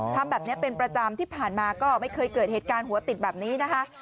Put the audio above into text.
ทำแบบนี้เป็นประจำที่ผ่านมาก็ไม่เคยเกิดเหตุการณ์หัวติดแบบนี้นะคะ